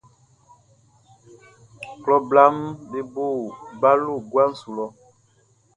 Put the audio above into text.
Klɔ blaʼm be bo balo guabo su lɔ.